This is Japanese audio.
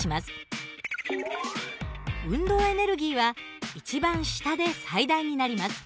運動エネルギーは一番下で最大になります。